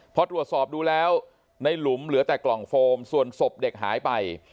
พอตรวจสอบดูแล้วในหลุมเหลือแต่กล่องโฟมส่วนศพเด็กหายไป